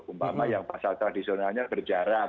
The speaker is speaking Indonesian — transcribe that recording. umpama yang pasar tradisionalnya berjarak